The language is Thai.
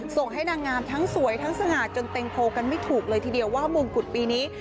ส่งให้นางงามทั้งสวยทั้งสง่าจนเต็งโพลกันไม่ถูกเลยทีเดียวว่ามงกุฎปีนี้